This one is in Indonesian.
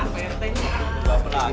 pak rete jangan